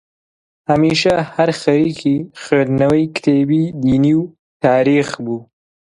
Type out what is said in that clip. هەمیشە هەر خەریکی خوێندنەوەی کتێبی دینی و تاریخ بوو